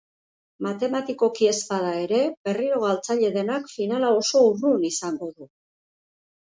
Matematikoki ez bada ere, berriro galtzaile denak finala oso urrun izango du.